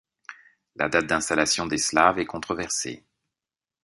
La date d'installation des Slaves est controversée.